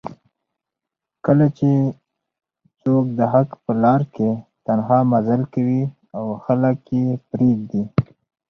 کله چې څوک دحق په لار کې تنها مزل کوي او خلک یې پریږدي